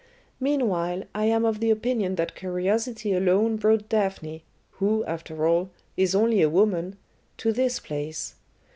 Meanwhile, I am of the opinion that curiosity alone brought Daphne who, after all, is only a woman to this place.